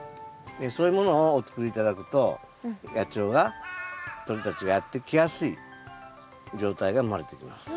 そういうものをお作り頂くと野鳥が鳥たちがやって来やすい状態が生まれてきます。